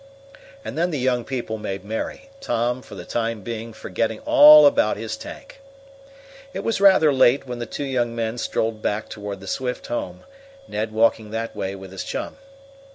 And then the young people made merry, Tom, for the time being, forgetting all about his tank. It was rather late when the two young men strolled back toward the Swift home, Ned walking that way with his chum.